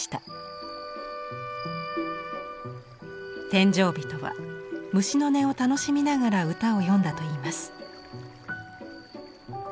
殿上人は虫の音を楽しみながら歌を詠んだといいます。